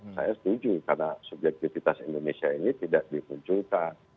saya setuju karena subjektivitas indonesia ini tidak dimunculkan